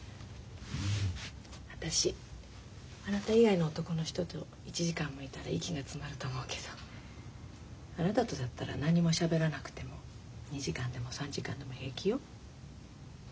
私あなた以外の男の人と１時間もいたら息が詰まると思うけどあなたとだったら何もしゃべらなくても２時間でも３時間でも平気よ。